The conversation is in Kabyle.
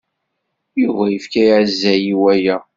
Yuba yefka azal i waya.